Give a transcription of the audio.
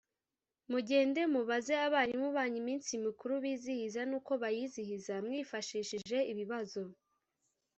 mugende mubaze abarimu banyu iminsi mikuru bizihiza n‘uko bayizihiza, mwifashishije ibibazo